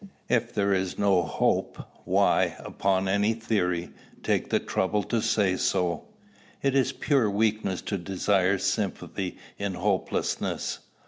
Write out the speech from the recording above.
If there is no hope, why, upon any theory, take the trouble to say so? It is pure weakness to desire sympathy in hopelessness.